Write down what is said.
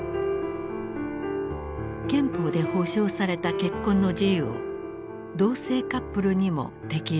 憲法で保障された結婚の自由を同性カップルにも適用したのである。